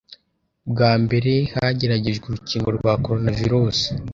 Bwa mbere hageragejwe urukingo rwa coronavirus